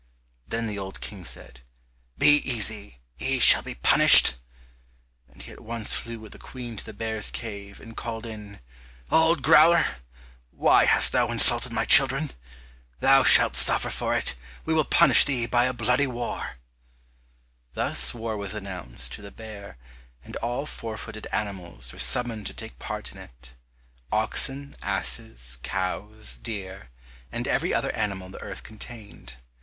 Then the old King said, "Be easy, he shall be punished," and he at once flew with the Queen to the bear's cave, and called in, "Old Growler, why hast thou insulted my children? Thou shalt suffer for it we will punish thee by a bloody war." Thus war was announced to the Bear, and all four footed animals were summoned to take part in it, oxen, asses, cows, deer, and every other animal the earth contained.